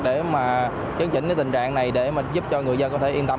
để mà chấn chỉnh tình trạng này để giúp cho người dân có thể yên tâm